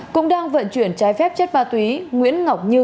cũng đang vận chuyển trái phép chất ma túy nguyễn ngọc như